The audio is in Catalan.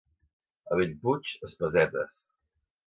A Bellpuig, espasetes.